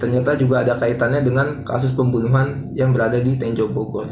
ternyata juga ada kaitannya dengan kasus pembunuhan yang berada di tenjo bogor